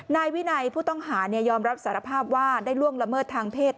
นายวินัยผู้ต้องหายอมรับสารภาพว่าได้ล่วงละเมิดทางเพศ